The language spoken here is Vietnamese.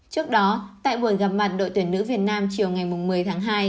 trước đó tại buổi gặp mặt đội tuyển nữ việt nam chiều ngày một mươi tháng hai